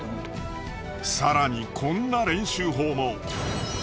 更にこんな練習法も。